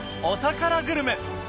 お宝グルメ。